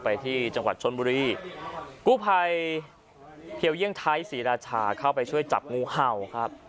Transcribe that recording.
ไปที่จังหวัดชนบุรีกู้ภัยเพียวเยี่ยงไทยศรีราชาเข้าไปช่วยจับงูเห่าครับ